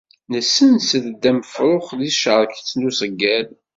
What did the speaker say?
Nessenser-d am ufrux si tcerket n useyyad.